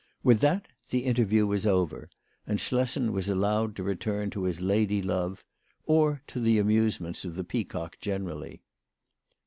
With that the interview was over, and Schlessen was allowed to return to his lady love, or to the amusements of the Peacock generally.